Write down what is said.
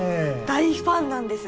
大ファンなんです。